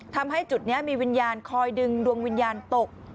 ทำให้จุดนี้มีวิญญาณคอยดึงดวงวิญญาณตก